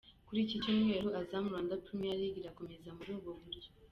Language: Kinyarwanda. Kuri iki cyumweru, Azam Rwanda Premier League irakomeza muri ubu buryo:.